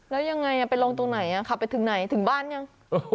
แล้วยังไงไปลงตรงไหนขับไปถึงไหนถึงบ้านยัง